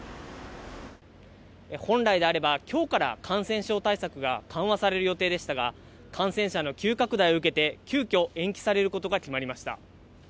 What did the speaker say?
本来であれば、きょうから感染症対策が緩和される予定でしたが、感染者の急拡大を受けて、急きょ、延期されることが決まりました。